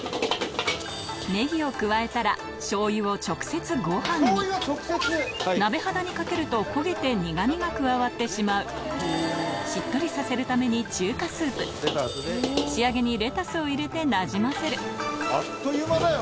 ネギを加えたら醤油を直接ご飯に鍋肌にかけると焦げて苦味が加わってしまうしっとりさせるために中華スープ仕上げにレタスを入れてなじませるあっという間だよ！